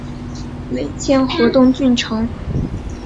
累迁河东郡丞。